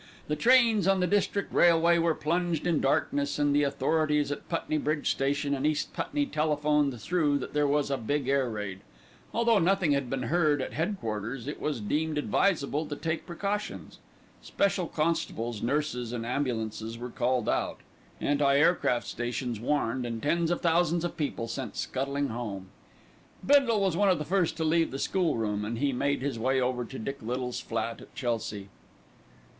The trains on the District Railway were plunged in darkness and the authorities at Putney Bridge Station and East Putney telephoned through that there was a big air raid. Although nothing had been heard at head quarters, it was deemed advisable to take precautions. Special constables, nurses and ambulances were called out, anti aircraft stations warned, and tens of thousands of people sent scuttling home. Bindle was one of the first to leave the School room, and he made his way over to Dick Little's flat at Chelsea.